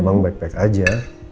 emang baik baik aja